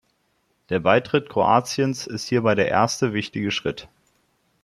Der Beitritt Kroatiens ist hierbei der erste, wichtige Schritt.